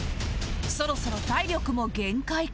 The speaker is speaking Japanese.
そろそろ体力も限界か？